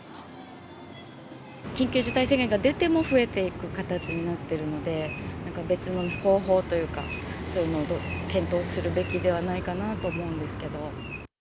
緊急事態宣言が出ても増えていく形になってるので、別の方法というか、そういうのを検討するべきではないかなと思うんですけれども。